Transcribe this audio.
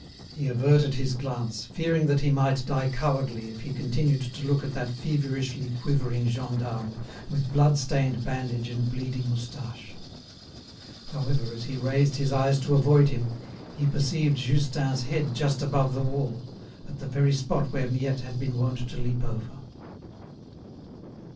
He averted his glance, fearing that he might die cowardly if he continued to look at that feverishly quivering gendarme, with blood stained bandage and bleeding moustache. However, as he raised his eyes to avoid him, he perceived Justin's head just above the wall, at the very spot where Miette had been wont to leap over.